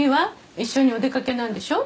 一緒にお出かけなんでしょ？